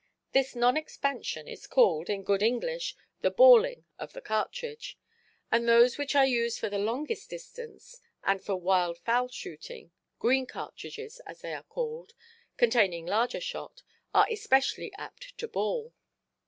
This non–expansion is called, in good English, the "balling" of the cartridge. And those which are used for the longest distance, and for wild–fowl shooting—green cartridges, as they are called, containing larger shot—are especially apt to ball.